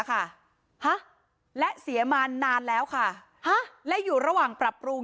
ค่ะฮะและเสียมานานแล้วค่ะฮะและอยู่ระหว่างปรับปรุง